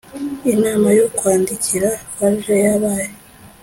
inama yo kwandikira farg yabaye